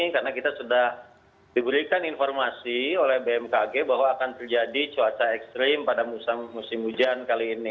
karena kita sudah diberikan informasi oleh bmkg bahwa akan terjadi cuaca ekstrim pada musim hujan kali ini